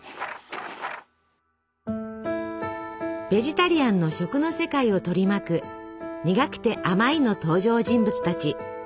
ベジタリアンの食の世界を取り巻く「にがくてあまい」の登場人物たち。